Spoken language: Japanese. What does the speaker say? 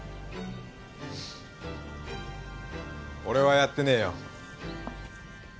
俺はやってねえよ。